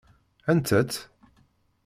Anta-tt?